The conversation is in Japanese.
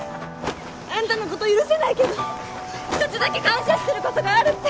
あんたのこと許せないけど１つだけ感謝してることがあるって。